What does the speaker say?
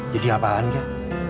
jadi apaan kak